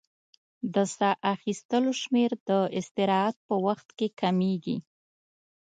د سا اخیستلو شمېر د استراحت په وخت کې کمېږي.